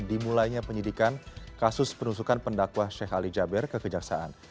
dimulainya penyidikan kasus penusukan pendakwah sheikh ali jabir kekejaksaan